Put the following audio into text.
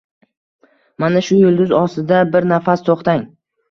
mana shu yulduz ostida bir nafas to'xtang!